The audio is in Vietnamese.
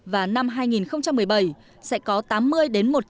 và năm hai nghìn một mươi bảy sẽ có tám mươi một trăm linh